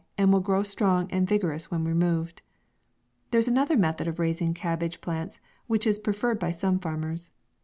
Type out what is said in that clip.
and will grow strong and vigorous when removed. There is another method of raising cabbage plants, which is preferred by some farmers.